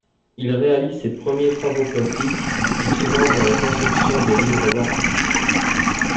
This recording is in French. Il réalise ses premiers travaux plastiques.Il se lance dans la conception de livres d'artiste.